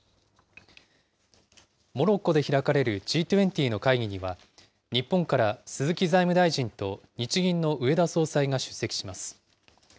モロッコで開かれるＧ２０の会議には、日本から鈴木財務大臣と日銀の植田総裁が出席します。